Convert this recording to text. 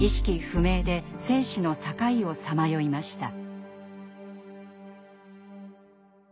不明で生死の境をさまよいました。